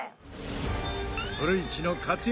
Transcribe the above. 古市の活躍